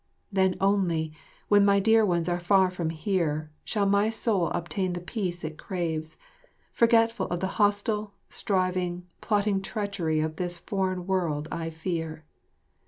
Then only, when my dear ones are far from here, shall my soul obtain the peace it craves, forgetful of the hostile, striving, plotting treachery of this foreign world I fear.